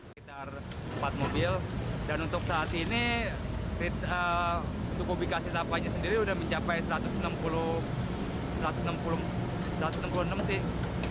keitar empat mobil dan untuk saat ini kubikasi sampahnya sendiri sudah mencapai satu ratus enam puluh enam meter kubik